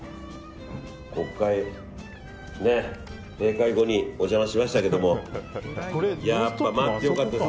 国会閉会後にお邪魔しましたけどやっぱ待ってよかったです